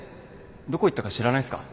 どこ行ったか知らないっすか？